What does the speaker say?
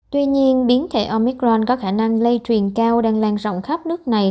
tuy nhiên biến thể omicron có khả năng lây truyền cao đang lan rộng khắp nước này